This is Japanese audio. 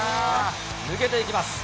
抜けていきます。